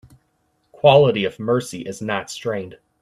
Quality of mercy is not strained